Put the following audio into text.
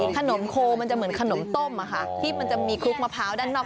โคมันจะเหมือนขนมต้มที่มันจะมีคลุกมะพร้าวด้านนอก